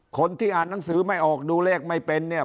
คนที่อ่านหนังสือไม่ออกดูเลขไม่เป็นเนี่ย